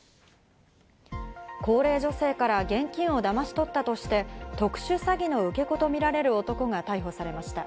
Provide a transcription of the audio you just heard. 高齢女性から現金をだまし取ったとして、特殊詐欺の受け子とみられる男が逮捕されました。